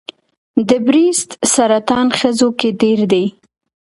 د بریسټ سرطان ښځو کې ډېر دی.